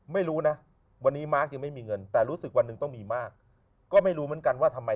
ไม่รู้นะวันนี้มาร์คยังไม่มีเงินแต่รู้สึกวันหนึ่งต้องมีมากก็ไม่รู้เหมือนกันว่าทำไม